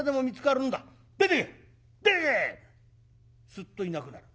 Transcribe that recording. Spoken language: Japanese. スッといなくなる。